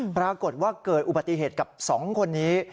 ปรากฏว่าเกิดอุบัติเหตุกับ๒คนนี้